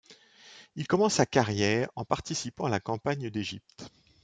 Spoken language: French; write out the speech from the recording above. Il commence sa carrière en participant à la campagne d'Égypte.